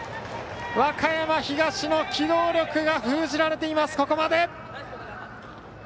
和歌山東の機動力が封じられています、ここまで！